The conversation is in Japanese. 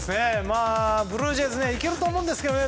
ブルージェイズいけると思うんですけどね